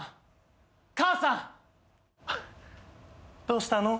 どうしたの？